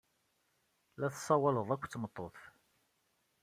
La tessawaleḍ akked tmeṭṭut.